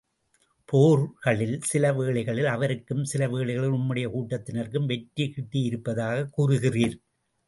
போர்களில், சில வேளைகளில் அவருக்கும், சில வேளைகளில் உம்முடைய கூட்டத்தினருக்கும் வெற்றி கிட்டியிருப்பதாகக் கூறுகிறீர்.